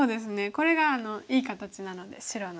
これがいい形なので白の。